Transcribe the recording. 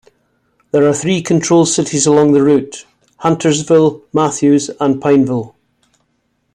There are three control cities along the route: Huntersville, Matthews and Pineville.